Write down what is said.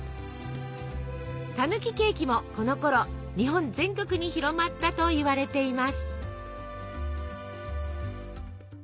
たぬきケーキもこのころ日本全国に広まったといわれています。